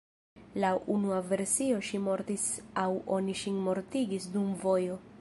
Laŭ unua versio ŝi mortis aŭ oni ŝin mortigis dum vojo.